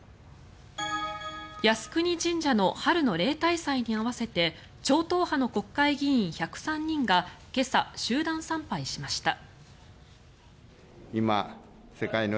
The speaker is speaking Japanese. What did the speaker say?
靖国神社の春の例大祭に合わせて超党派の国会議員１０３人が今朝、集団参拝しました。